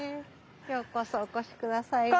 ようこそお越し下さいました。